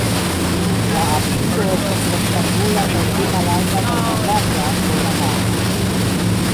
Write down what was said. La absido estas rektangula kaj pli malalta kaj mallarĝa, ol la navo.